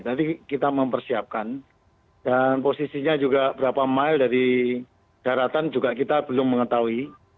nanti kita mempersiapkan dan posisinya juga berapa mile dari daratan juga kita belum mengetahui